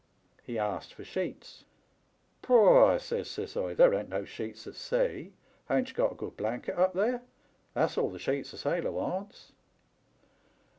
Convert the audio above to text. *'He asked for sheets. "' Pooh !' I says, says I, * there ain't no sheets at sea. Hain't ye got a good blanket up there? That's all the sheets a sailor wants.'